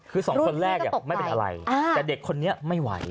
คือสองคนแรกไม่เป็นอะไรแต่เด็กคนนี้ไม่ไหว